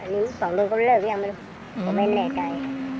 นี่สองบอลเขาเริกไงเขาไม่แน่ใกล้